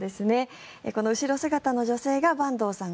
この後ろ姿の女性が板東さん